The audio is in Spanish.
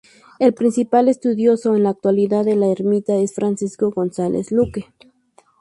El principal estudioso en la actualidad de la ermita es Francisco González Luque.